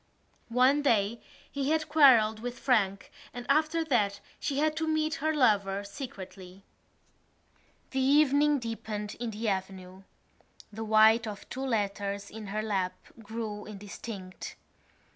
One day he had quarrelled with Frank and after that she had to meet her lover secretly. The evening deepened in the avenue. The white of two letters in her lap grew indistinct.